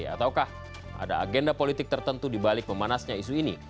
ataukah ada agenda politik tertentu dibalik memanasnya isu ini